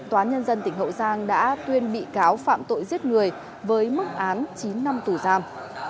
tòa án nhân dân tỉnh hậu giang đã tuyên bị cáo phạm tội giết người với mức án chín năm tù giam